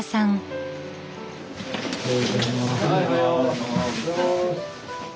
おはようございます。